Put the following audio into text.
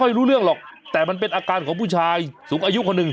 ไม่รู้เรื่องหรอกแต่มันเป็นอาการของผู้ชายสูงอายุคนหนึ่ง